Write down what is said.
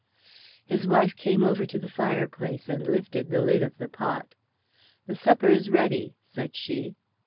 His wife came over to the fireplace and lifted the lid of the pot. "The supper is ready," said she.